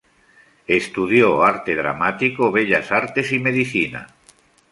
Estudió arte dramático, bellas artes y medicina.